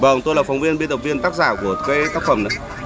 vâng tôi là phóng viên biên tập viên tác giả của tác phẩm này